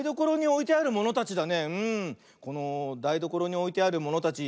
このだいどころにおいてあるものたち